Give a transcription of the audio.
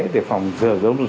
để phòng giở giống như vậy